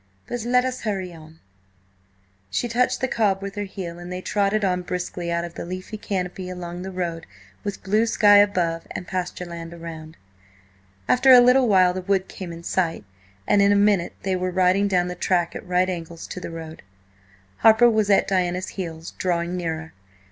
But let us hurry on." She touched the cob with her heel, and they trotted on briskly out of the leafy canopy along the road with blue sky above and pasture land around. After a little while the wood came in sight, and in a minute they were riding down the track at right angles to the road. Harper was at Diana's heels, drawing nearer.